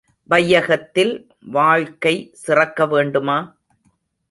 வையகத்தில் வாழ்க்கை சிறக்க வேண்டுமா?